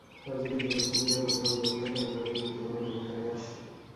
রাজ্যটির যুব শিল্পীদের প্রতিভা উন্নতিতে কেন্দ্রটি গুরুত্বপূর্ণ ভূমিকা নিয়ে আসছে।